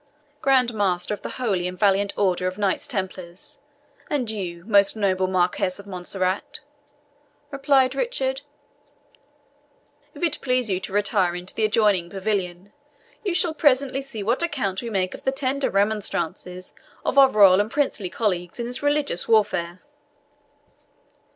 "Grand Master of the Holy and Valiant Order of Knights Templars, and you, most noble Marquis of Montserrat," replied Richard, "if it please you to retire into the adjoining pavilion, you shall presently see what account we make of the tender remonstrances of our royal and princely colleagues in this religious warfare."